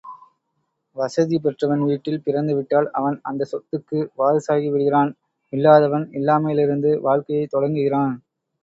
வசதி பெற்றவன் வீட்டில் பிறந்துவிட்டால் அவன் அந்தச் சொத்துக்கு வாரிசாகிவிடுகிறான் இல்லாதவன் இல்லாமையிலிருந்து வாழ்க்கையைத் தொடங்குகிறான்.